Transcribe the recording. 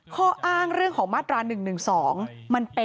ข้ออ้างเรื่องของมาตรา๑๑๒